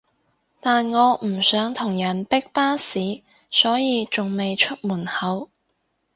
但我唔想同人逼巴士所以仲未出門口